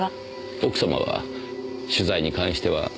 奥様は取材に関しては何か？